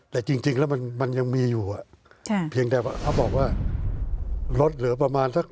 แต่จริงแล้วมันยังมีอยู่เพียงแต่ว่าเขาบอกว่าลดเหลือประมาณสัก